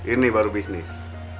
ini baru bisnis